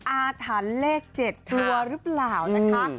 อาถรรพ์เลข๗กลัวหรือเปล่านะคะ